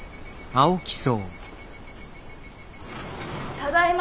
ただいま。